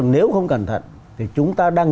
nếu không cẩn thận thì chúng ta đang